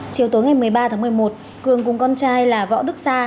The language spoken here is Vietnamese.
chiều tối ngày một mươi ba tháng một mươi một cường cùng con trai là võ đức sa